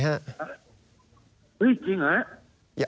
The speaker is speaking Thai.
เฮ้ยจริงเหรอ